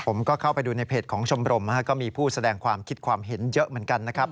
เข้าไปดูในเพจของชมรมก็มีผู้แสดงความคิดความเห็นเยอะเหมือนกันนะครับ